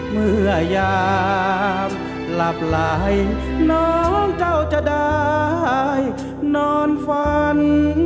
เมื่อยามหลับไหลน้องเจ้าจะได้นอนฝัน